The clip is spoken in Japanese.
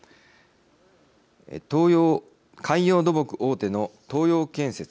海洋土木大手の東洋建設。